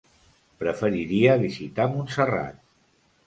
Preferiria visitar Montserrat.